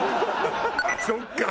そっか。